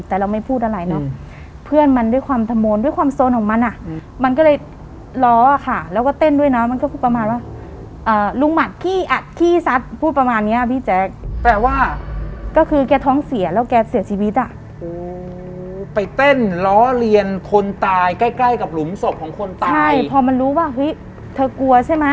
แต่เราไม่พูดอะไรเนอะเพื่อนมันด้วยความธรรมนด้วยความโซนของมันอ่ะมันก็เลยล้อค่ะแล้วก็เต้นด้วยเนาะมันก็พูดประมาณว่าลุงหมัดขี้อัดขี้ซัดพูดประมาณเนี้ยพี่แจ๊คแปลว่าก็คือแกท้องเสียแล้วแกเสียชีวิตอ่ะไปเต้นล้อเลียนคนตายใกล้ใกล้กับหลุมศพของคนตายใช่พอมันรู้ว่าเฮ้ยเธอกลัวใช่ไหม